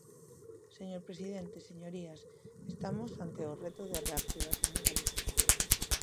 Señor presidente, señorías, estamos ante o reto da reactivación de Galicia.